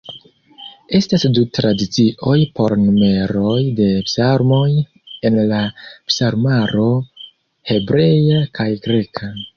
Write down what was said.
Estas du tradicioj por numeroj de psalmoj en la psalmaro: hebrea kaj greka.